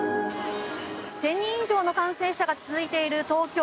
１０００人以上の感染者が続いている東京。